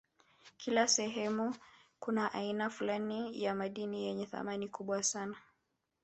Kila sehemu kuna aina fulani ya madini yenye thamani kubwa sana